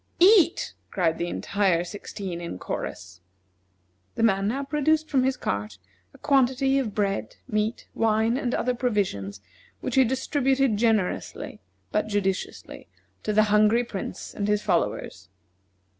"Eat!" cried the entire sixteen in chorus. The man now produced from his cart a quantity of bread, meat, wine, and other provisions, which he distributed generously, but judiciously, to the hungry Prince and his followers.